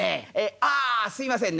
ああすいませんね